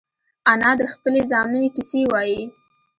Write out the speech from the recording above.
انا د خپلې زمانې کیسې وايي